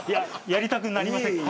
やりたくなりませんか。